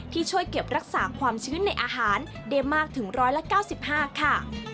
ที่ช่วยเก็บรักษาความชื้นในอาหารได้มากถึง๑๙๕ค่ะ